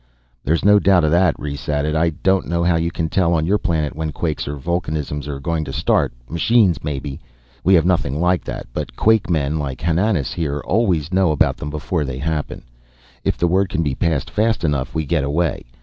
"There's no doubt of that," Rhes added. "I don't know how you can tell on your planet when quakes or vulcanism are going to start, machines maybe. We have nothing like that. But quakemen, like Hananas here, always know about them before they happen. If the word can be passed fast enough, we get away.